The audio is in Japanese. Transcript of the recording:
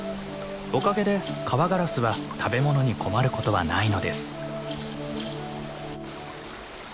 おかげでカワガラスは食べ物に困ることはないのです。